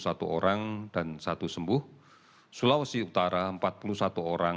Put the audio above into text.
kemudian di jawa timur sulawesi utara empat puluh satu orang dan tiga puluh satu kasus sembuh